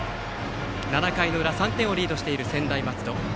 ７回の裏、３点をリードしている専大松戸。